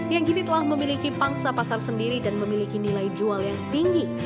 yang kini telah memiliki pangsa pasar sendiri dan memiliki nilai jual yang tinggi